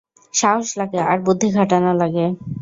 সাহস লাগে, আর বুদ্ধি খাটানো লাগে।